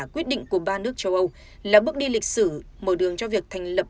quyết định của ba nước châu âu là bước đi lịch sử mở đường cho việc thành lập